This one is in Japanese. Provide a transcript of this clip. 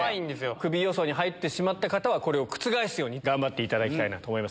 クビ予想に入ってしまった方は、これを覆すように頑張っていただきたいなと思います。